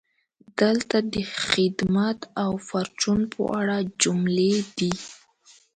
دلته د "خدمت او پرچون" په اړه جملې دي: